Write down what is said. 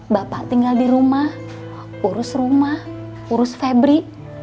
bapak tinggal di rumah urus rumah urus febri